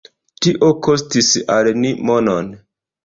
Tio kostis al ni monon.